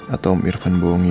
atau om irfan bohong ibu ya